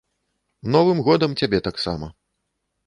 Новым годам цябе таксама!